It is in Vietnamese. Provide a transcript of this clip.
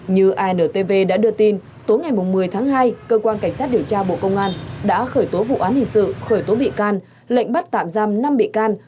như intv đã đưa tin tối ngày một mươi tháng hai cơ quan cảnh sát điều tra bộ công an đã khởi tố vụ án hình sự khởi tố bị can lệnh bắt tạm giam năm bị can